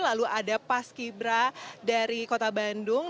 lalu ada pas kibra dari kota bandung